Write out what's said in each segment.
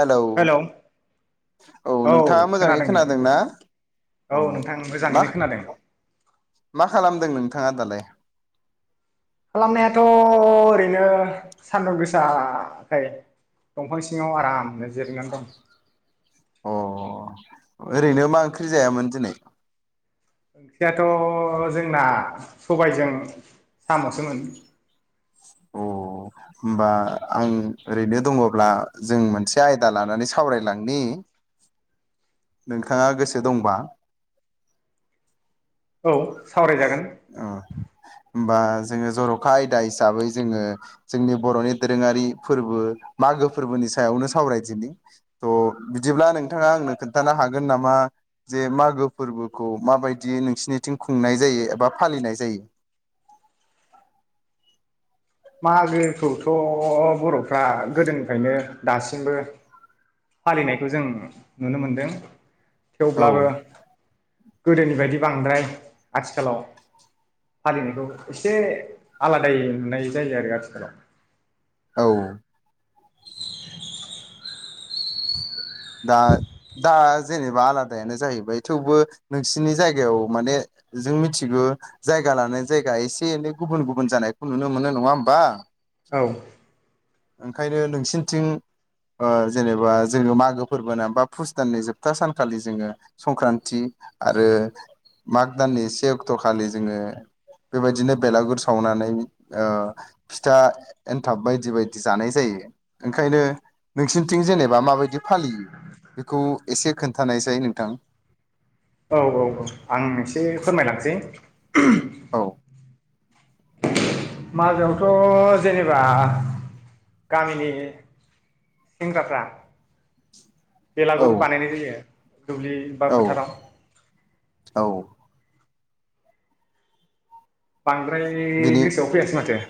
Hello औ नोंथाङा मोजाङै खोनादों नोंथां दे खोनादोंना औ नोंथां मा मोजाङैनो खोनादों मा खालामदों नोंथाङा दालाय? खालामनायाथ' ओरैनो सान्दुं गोसाखाय दंफां सिङाव आराम ओरैनो जिरायनानै दं अ ओरैनो मा ओंख्रि जायामोन दिनै? ओंख्रियाथ' जोंना सबायजों साम'सोमोन अ होमबा आं ओरैनो दङब्ला जों मोनसे आयदा लानानै सावरायलांनि । नोंथाङा गोसो दंबा औ सावरायजागोन ओ होमबा जोङो जर'खा आयदा हिसाबै जोङो जोंनि बर'नि दोरोङारि फोरबो मागो फोरबोनि सायावनो सावरायदिनि थ' बिदिब्ला नोंथाङा आंनो खोन्थानो हागोन नामा जे मागो फोरबोखौ माबायदि नोंसिनिथिं खुंनाय जायो एबा फालिनाय जायो । मागोखौथ' बर'फ्रा गोदोनिफ्रायनो दासिमबो फालिनायखौ जों नुनो मोनदों । औ थेवब्लाबो गोदोनि बायदि बांद्राय आथिखालाव फालिनायखौ एसे आलादायै नुनाय जायो आरो आथिखालाव औ [inaudible] दा दा जेनेबा आलादायानो जाहैबाय थेवबो नोंसिनि जायगायाव माने जों मिथिगौ जायगा लानाय जायगा एसे एनै गुबुन गुबुन जानायखौ नुनो मोनो नङा होमबा? औ ओंखायनो नोंसिनिथिं ओ जेनेबा जोङो मागो फोरबोना बा फुस दाननि जोबथा सानखालि जोङो संक्रान्ति आरो माग दाननि से अक्ट' खालि जोङो बेबायदिनो बेलागुर सावनानै फिथा एन्थाब बायदि बायदि बायदि बिदि जानाय जायो ओंखायनो नोंसिनिथिं जेनेबा माबायदि फालियो बेखौ एसे खोन्थानायसाय नोंथां । औ औ औ आं एसे फोरमायलांसै [inaudible] औ मागोआवथ' जेनेबा गामिनि सेंग्राफ्रा औ बेलागुर बानायनाय जायो। दुब्लि बा औ फोथाराव औ बांद्राय बिनि गोसोआव फैयासै माथो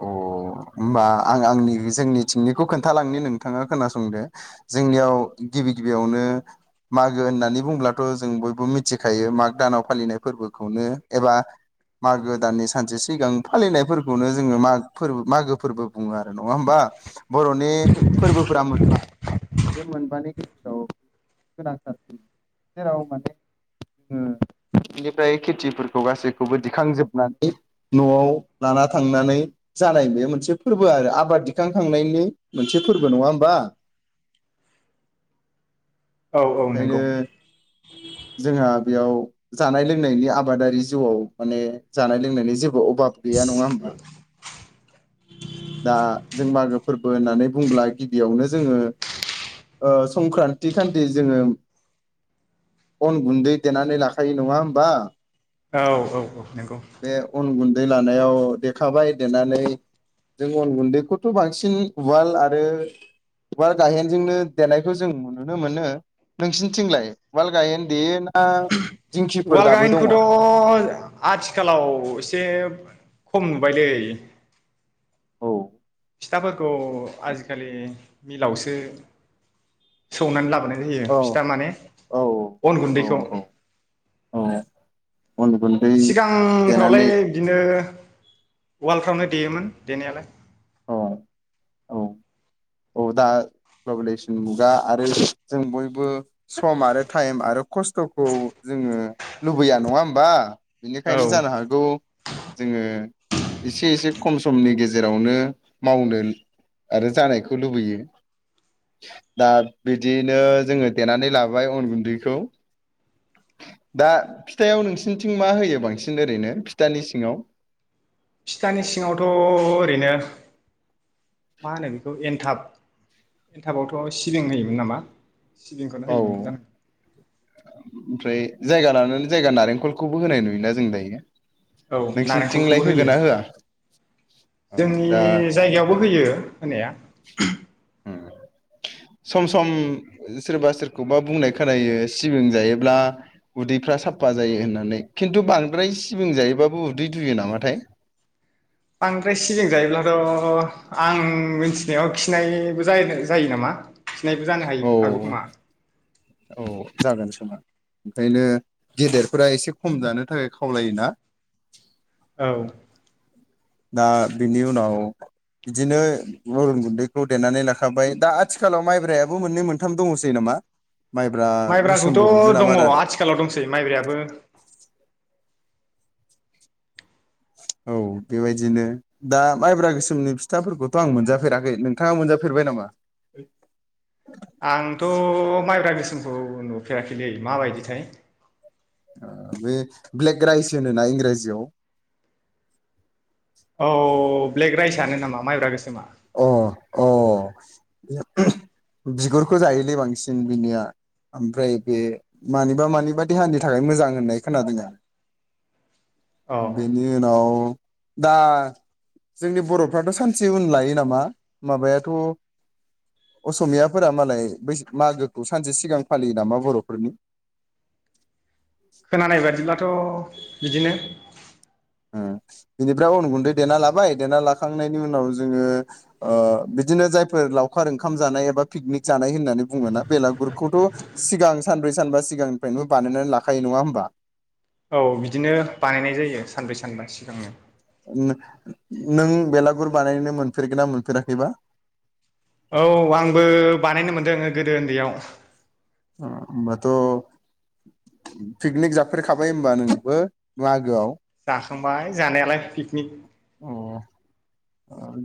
अ होमबा आं आंनि जोंनि थिंनिखौ खोन्थालांनो नोंथाङा खोनासंदो जोंनियाव गिबि गिबियावनो मागो होननानै बुंब्लाथ' जों बयबो मिथिखायो मागो दानाव फालिनाय फोरबोखौनो एबा मागो दाननि सानसे सिगां फालिनायफोरखौनो जोङो माग फोरबो मागो फोरबो बुङो आरो नङा होमबा। बर'नि फोरबोफोरा बे मोनबानि गेजेराव गोनांथार जेराव माने जोङो बेनिफ्राय खेथिफोरखौ गासैखौबो दिखांजोबनानै न'आव लाना थांनानै जानाय बे मोनसे फोरबो आरो आबाद दिखांखांनायनि मोनसे फोरबो नङा होमबा। औ औ नंगौ ओंखायनो जोंहा बेयाव जानाय लोंनायनि आबादारि जिउआव माने जानाय लोंनायनि जेबो अभाब गैया नङा होमबा? । दा जों मागो फोरबो होननानै बुंब्ला गिबियावनो जोङो संक्रान्ति खान्थि जोङो अन गुन्दै देनानै लाखायो नङा होमबा।? औ औ औ नंगौ। दै लानायाव देद खाबाय देनानै जों अन गुन्दैखौथ' बांसिन उवाल आरो उवाल गाहेनजोंनो देनायखौ जों नुनो मोनो नोंसिनिथिंलाय उवाल गाहेन देयोना। उवाल गाहेनखौथ' आथिखालाव एसे खम नुबायलै औ फिथाफोरखौ आजि खालि मिलावसो सौनानै लाबोनाय होयो औ फिथा माने औ अन औ गुन्दैखौ औ अन गुन्दै देनानै सिगांफ्रावलाय बिदिनो उवाल फ्रावनो देयोमोन देनायालाय औ औ औ दा ग्लबेलायजेसन मुगा आरो जों बयबो सम आरो टाइम आरो खस्थ'खौ जोङो लुबैया नङा होमबा। औ बिनिखायनो जानो हागौ। जोङो एसे एसे खम समनि गेजेरावनो मावनो आरो जानायखौ खौ लुबैयो दा बिदिनो जोङो देनानै लाबाय अन गुन्दैखौ दा फिथायाव नोंसिनिथिं मा होयो बांसिन ओरैनो फिथानि सिङाव फिथानि सिङावथ' ओरैनो मा होनो बेखौ एनथाब एनथाबावथ' सिबिं होयोमोन नामा? सिबिंखौनो औ होयोमोन दां। ओमफ्राय जायगा लानानै जायगा नारेंखलखौबो होनाय नुयोना जों दायो। औ नोंसिनिथिंलाय नारेंखलखौबो होगोन होयो ना होआ अ जोंनि दा जायगायावबो होयो। होनाया उम सम सम सोरबा सोरखौबा बुंनाय खोनायो सिबिं जायोब्ला उदैफ्रा साफा जायो होननानै खिन्थु बांद्राय सिबिं जायोबाबो उदै दुयो नामाथाय । बांद्राय सिबिं जायोब्लाथ' आं मिथिनायाव खिनायबो जायो नामा? खिनायबो जानो औ हायो हागौ खोमा । औ जागोन खोमा ओंखायनो गेदेरफोरा एसे खम जानो थाखाय खावलायो ना । औ दा बिनि उनाव बिदिनो अन गुन्दैखौ देनानै लाखाबाय दा आथिखालाव माइब्रायाबो मोननै मोनथाम दङसै नामा माइब्रा गोसोमबो मोनो माइब्राखौथ' नामा दङ आदा आथिखालाव दंसै माइब्रायाबो औ बेबायदिनो दा माइब्रा गोसोमनि फिथाफोरखौथ' आं मोनजाफेराखै नोंथाङा मोनजाफेरबाय नामा? आंथ' माइब्रा गोसोम गोसोमखौ नुफेराखैलै माबायदिथाय बे ब्लेक राइस होनो ना इंराजियाव औ ब्लेक राइसआ नामा माइब्रा गोसोमा अ अ बिगुरखौ जायोलै बांसिन बिनिया ओमफ्राय बे मानिबा मानिबा देहानि थाखाय मोजां होननाय खोनादों आरो औ बेनि उनाव दा जोंनि बर'फ्राथ' सानसे उन लायो नामा माबायाथ' असमियाफोरा मालाय बै मागोखौ सानसे सिगां फालियो नामा बर'फोरनि खोनानाय बादिब्लाथ' बिदिनो ओम बिनिफ्राय उन गुन्दै देना लाबाय देना लाखांनायनि उनाव जोङो ओ बिदिनो जायफोर लावखार ओंखाम जानाय एबा पिकनिक जानाय होननानै बुङोना बेलागुरखौथ' सिगां सानब्रै सानबा सिगां फ्रायबो बानायनानै लाखायो नङा होमबा? औ बिदिनो बानायनाय जायो सानब्रै सानबा सिगांनो नों बेलागुर बानायो मोनफेरगोन ना मोनफेराखैबा? औ आंबो बानायनो मोनदों । गोदो उन्दैयाव ओ होनोमबाथ' पिकनिक जाफेरखाबाय होनबा नोंबो मागोआव । जाखांबाय जानायालाय पिकनिक अ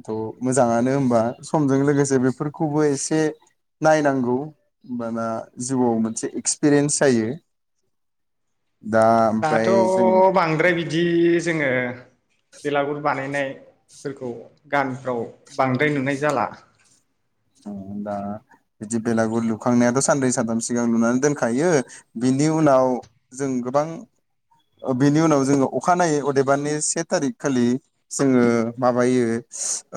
थ' मोजाङानो होमबा समजों लोगोसे बेफोरखौबो एसे नायनांगौ होनोमबाना जिउआव मोनसे एक्सपिरियेन्स जायो । दाथ' बांद्राय बिदि जोङो [unintelligible] बेला गुर बानायनाय फोरखौ गानफ्राव बांद्राय नुनाय जाला दा बिदि बेलागुर लुखांनायाथ' सानन्रै सानथाम सिगां लुनानै दोनखायो बिनि उनाव जों गोबां बिनि उनाव जोङो अखानायै अदेबारनि से थारिख खालि जोङो माबायो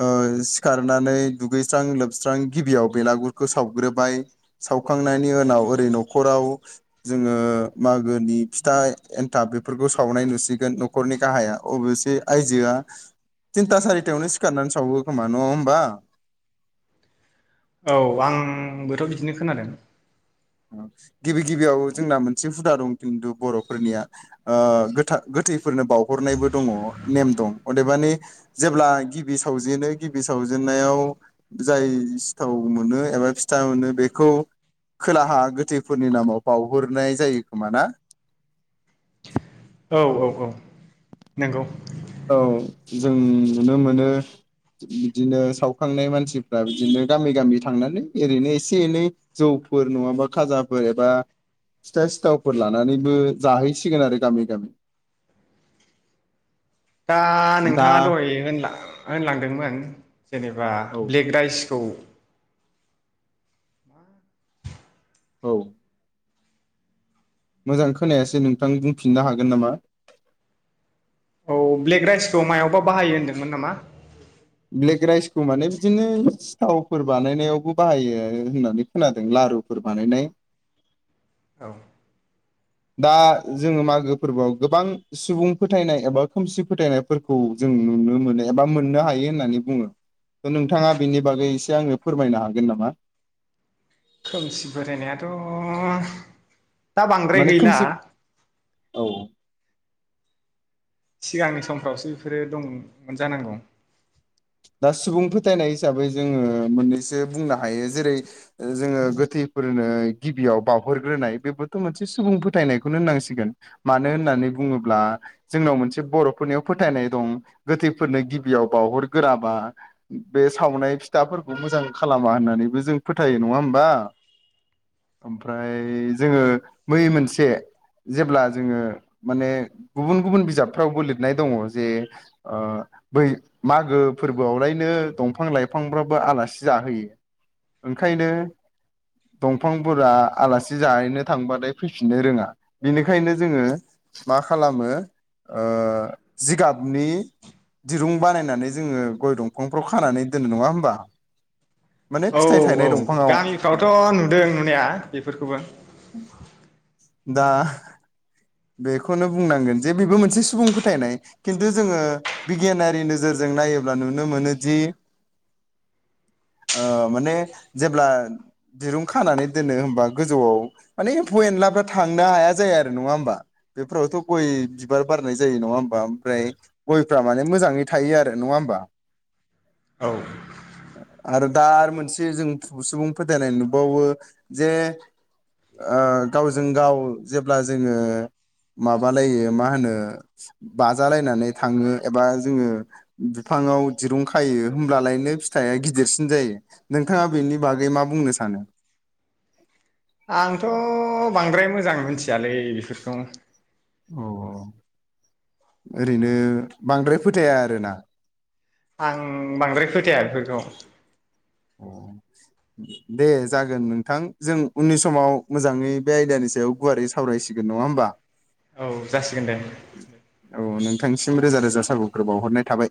ओ सिखारनानै दुगैस्रां लोब सोबस्रां गिबियाव बेलागुरखौ सावग्रोबाय सावखांनायनि उनाव ओरै न'खराव जोङो मागोनि फिथा एन्थाब बेफोरखौ सावनाय नुसिगोन न'खरनि गाहाया अबसे आयजोआ तिनथा सारिथायावनो सिखारनानै सावो खोमा नङा होमबा? औ आंबोथ' बिदिनो खोनादों । गिबि गिबियाव जोंना मोनसे हुदा दं खिन्थु बर'फोरनिया ओ गोथा गोथैफोरनो बावउहरनायबो दङ नेम दं अदेबानि जेब्ला गिबि सावजेनो गिबि सावजेनन्नायाव जाय सिथाव मोनो एबा फिथा मोनो बेखौ खोलाहा गोथैफोरनि नामाव बावहरनाय जायो खोमा ना? औ औ औ नंगौ औ जों नुनो मोनो बिदिनो सावखांनाय मानसिफ्रा बिदिनो गामि गामि थांनानै ओरैनो एसे एनै जौफोर नङाबा खाजाफोर एबा फिथा सिथावफोर लानानैबो जाहैसिगोन आरो गामि गामि दा दा नोंथाङा दहाय होनलां होनलांदोंमोन- जेनेबा औ ब्लेक राइसखौ औ मोजां खोनायासो नोंथां बुंफिननो हागोन नामा? औ ब्लेक राइसखौ मायावबा बाहायो होनदोंमोन नामा। ब्लेक राइसखौ माने बिदिनो सिथावफोर बानायनायावबो बाहायो होननानै खोनादों लारुफोर बानायनाय औ दा जोङो मागो फोरबोआव गोबां सुबुं फोथायनाय एबा खोमसि फोथायनायफोरखौ जों नुनो मोनो एबा मोननो हायो होननानै बुङो नोंथाङा बेनि बागै एसे आङो फोरमायनो हागोन नामा? खोमसि बोरायनायाथ' दा बांद्राय माने गैला खोमसि औ सिगांनि समफ्रावसो बेफोरो दंमोन जानांगौ। दा सुबुं फोथायनाय हिसाबै जोङो मोननैसो बुंनो हायो जेरै जोङो गोथैफोरनो गिबियाव बावहरग्रोनाय बेबोथ' मोनसे सुबुं फोथायनायखौनो होननांसिगोन मानो होननानै बुङोब्ला जोंनाव मोनसे बर'फोरनियाव फोथायनाय दं गोथैफोरनो गिबियाव बावहर गोराबा बे सावनाय फिथाफोरखौ मोजां खालामा होननानैबो जों फोथायो नङा होमबा ओमफ्राय जोङो मै मोनसे जेब्ला जोङो माने गुबुन गुबुन बिजाबफ्रावबो लिरनाय दङ जे ओ बै मा गो फोरबोआवलायनो दफां लाइफांफ्राबो आलासि जाहोयो ओंखायनो दंफांफोरा आलासि जाहैनो थांबथाय फैफिननो रोङा बेनिखायनो जोङो मा खालामो जिगाबनि दिरुं बानायनानै जोङो गय दंफांफ्राव खानानै दोननो नङा होमबा। माने औ फिथाइ औ थायनाय दंफाङाव गामिफ्रावथ' नुदों नुनाया बेफोरखौबो। दा बेखौनो बुंनांगोन जे बेबो मोनसे सुबुं फोथायनाय खिन्थु जोङो बिगियानारि नोजोरजों नायोब्ला नुनो मोनोदि माने जेब्ला दिरुं खानानै दोनो होमबा गोजौआव माने एम्फौ एनलाफ्रा थांनो हाया जाया आरो नङा होमबा? बेफोरावथ' गय बिबार बारनाय जायो नङा होमबा ओमफ्राय गयफ्रा माने मोजाङै थायो आरो नङा होमबा। औ आरो दा आरो मोनसे जों सुबुं फोथायनाय नुबावो जे गावजों गाव जेब्ला जोङो। माबालै मा होनो बाजालायनानै थाङो एबा जोङो बिफाङाव दिरुं खायो होमब्लालायनो फिथाइया गिदिरसिन जायो नोंथाङा बेनि बागै मा बुंनो सानो? आंथ' बांद्राय मोजां मोनथियालै। थियालै बेफोरखौ अ ओरैनो बांद्राय फोथाया आरोना। आं बांद्राय फोथाया। बेफोरखौ दे जागोन नोंथां जों उननि समाव मोजाङै बे आयदानि सायाव गुवारै सावरायसिगोन नङा होमबा। औ जासिगोन दे। औ नोंथांनिसिम रोजा रोजा साबायखर बाउहरनाय थाबाय।